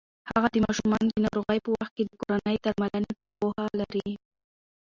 هغه د ماشومانو د ناروغۍ په وخت کې د کورني درملنې پوهه لري.